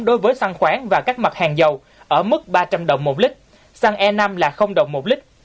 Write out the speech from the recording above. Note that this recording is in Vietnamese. đối với xăng khoáng và các mặt hàng dầu ở mức ba trăm linh đồng một lít xăng e năm là đồng một lít